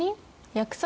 約束？